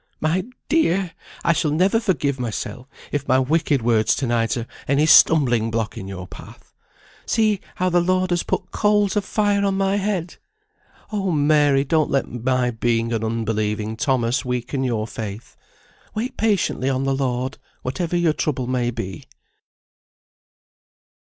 "My dear! I shall never forgive mysel, if my wicked words to night are any stumbling block in your path. See how the Lord has put coals of fire on my head! Oh! Mary, don't let my being an unbelieving Thomas weaken your faith. Wait patiently on the Lord, whatever your trouble may be."